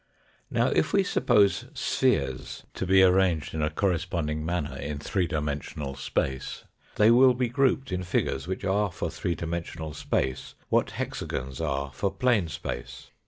Now, if we suppose spheres to be arranged in a corre sponding manner in three dimensional space, they will Fig. 15(143). ,. 1 ' J .. be grouped m figures which are for three dimensional space what hexagons are for plane space.